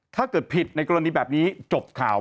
ถ้าเกิดผิดในกรณีแบบนี้จบข่าว